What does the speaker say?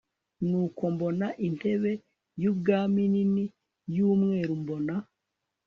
nuko mbona intebe y ubwami nini y umweru mbona